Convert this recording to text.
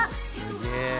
すげえ。